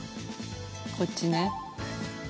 こっちね。